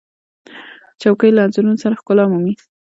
چوکۍ له انځورونو سره ښکلا مومي.